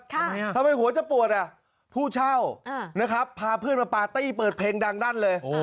ทำไมหัวจะปวดผู้เช่าพาเพื่อนมาปาร์ตี้เปิดเพลงดังดันเลย